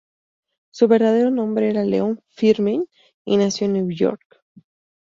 Su verdadero nombre era Leon Friedman, y nació en Nueva York.